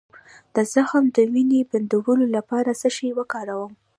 د زخم د وینې بندولو لپاره څه شی وکاروم؟